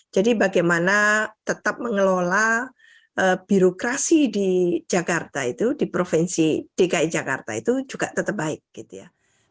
jadi bagaimana tetap mengelola birokrasi di jakarta itu di provinsi dki jakarta itu juga tetap baik gitu ya